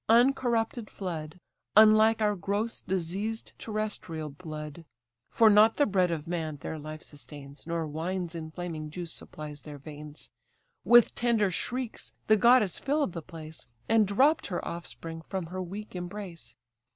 uncorrupted flood! Unlike our gross, diseased, terrestrial blood: (For not the bread of man their life sustains, Nor wine's inflaming juice supplies their veins:) With tender shrieks the goddess fill'd the place, And dropp'd her offspring from her weak embrace.